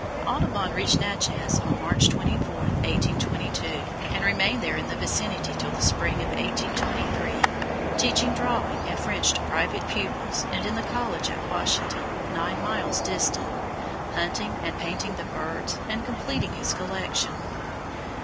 Audubon reached Natchez on March 24, 1822, and remained there and in the vicinity till the spring of 1823, teaching drawing and French to private pupils and in the college at Washington, nine miles distant, hunting, and painting the birds, and completing his collection.